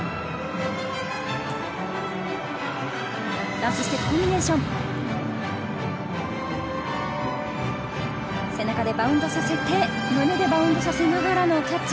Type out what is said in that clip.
ダンスステップコンビネーション背中でバウンドさせて、胸でバウンドさせながらキャッチ。